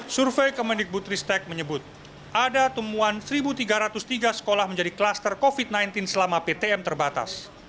survei kemendikbutristek menyebut ada temuan satu tiga ratus tiga sekolah menjadi kluster covid sembilan belas selama ptm terbatas